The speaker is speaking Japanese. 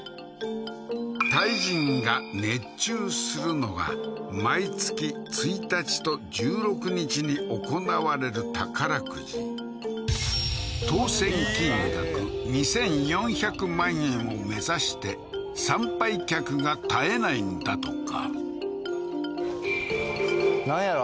タイ人が熱中するのが毎月１日と１６日に行われる宝くじ当選金額２４００万円を目指して参拝客が絶えないんだとかなんやろ？